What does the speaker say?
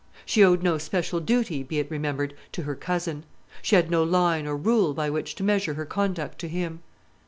She owed no special duty, be it remembered, to her cousin. She had no line or rule by which to measure her conduct to him.